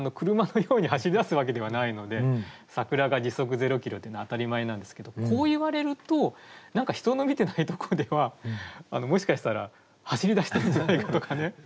車のように走りだすわけではないので桜が「時速０ｋｍ」というのは当たり前なんですけどこういわれると何か人の見てないところではもしかしたら走りだしてるんじゃないかとかね。